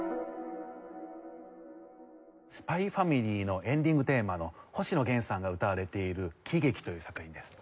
『ＳＰＹ×ＦＡＭＩＬＹ』のエンディングテーマの星野源さんが歌われている『喜劇』という作品です。